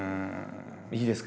いいですか？